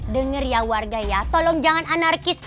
dengar ya warga ya tolong jangan anarkis